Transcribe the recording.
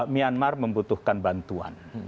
myanmar membutuhkan bantuan